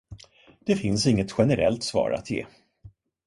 Det finns inget generellt svar att ge.